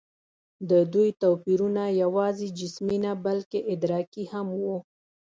د دوی توپیرونه یواځې جسمي نه، بلکې ادراکي هم وو.